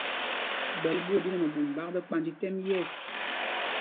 Ɓɛ́l ɓuá o ɗí nɛ mɛbûm ɓák ɓɛ kpanj tɛ́m yɛ̂ɛs.